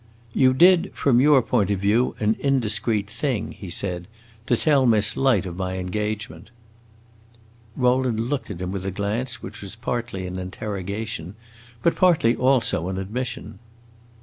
"You did, from your own point of view, an indiscreet thing," he said, "to tell Miss Light of my engagement." Rowland looked at him with a glance which was partly an interrogation, but partly, also, an admission.